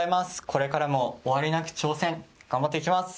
これからも終わりなき挑戦頑張っていきます。